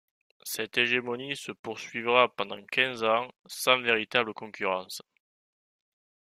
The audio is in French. Cette hégémonie se poursuivra pendant quinze ans, sans véritable concurrence.